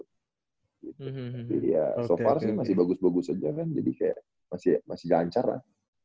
jadi ya so far sih masih bagus bagus aja kan jadi kayak masih lancar lah